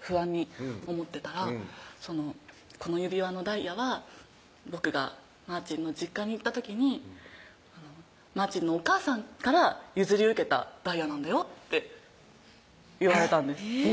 不安に思ってたら「この指輪のダイヤは僕がまーちんの実家に行った時にまーちんのお母さんから譲り受けたダイヤなんだよ」って言われたんですうん